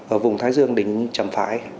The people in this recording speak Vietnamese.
ở vùng thái dương đỉnh trầm phái